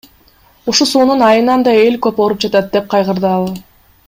Ушу суунун айынан да эл көп ооруп жатат, — деп кайгырды ал.